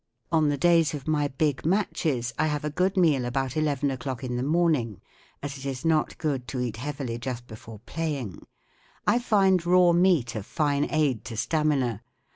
On the days of my big matches I have a good meal about eleven o'clock in the morning, as it is not good to eat heavily just before playing. I find raw meat a fine aid to stamina.